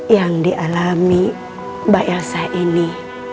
yang dialami mbak elsa ini